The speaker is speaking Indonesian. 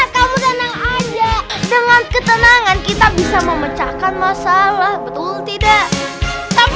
kamu tenang aja dengan ketenangan kita bisa memecahkan masalah betul tidak tapi